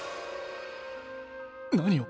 何を。